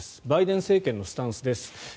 バイデン政権のスタンスです。